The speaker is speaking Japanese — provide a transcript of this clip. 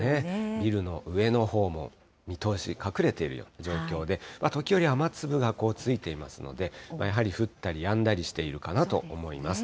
ビルの上のほうも、見通し、隠れている状況で、時折、雨粒がついていますので、やはり降ったりやんだりしているかなと思います。